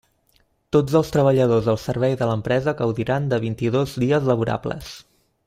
Tots els treballadors al servei de l'empresa gaudiran de vint-i-dos dies laborables.